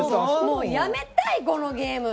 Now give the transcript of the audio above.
もうやめたいこのゲーム。